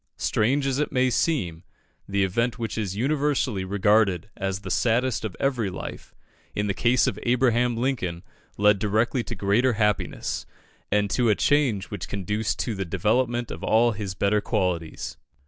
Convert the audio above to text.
Strange as it may seem, the event which is universally regarded as the saddest of every life, in the case of Abraham Lincoln led directly to greater happiness, and to a change which conduced to the development of all his better qualities.